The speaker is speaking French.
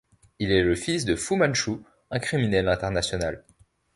Il est le fils de Fu Manchu, un criminel international.